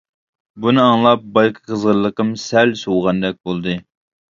بۇنى ئاڭلاپ بايىقى قىزغىنلىقىم سەل سۇۋىغاندەك بولدى.